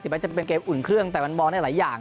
มันจะเป็นเกมอุ่นเครื่องแต่มันมองได้หลายอย่าง